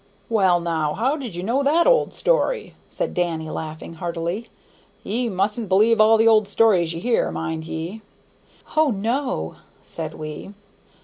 "Well, now, how did you know that old story?" said Danny, laughing heartily; "ye mustn't believe all the old stories ye hear, mind ye!" "O, no," said we.